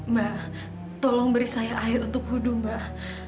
mbak tolong beri saya air untuk budu mbak